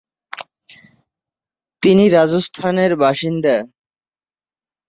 তিনি রাজস্থানের বাসিন্দা।